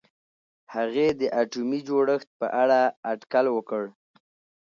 هغې د اتومي جوړښت په اړه اټکل وکړ.